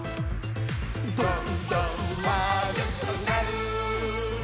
「どんどんまあるくなる！」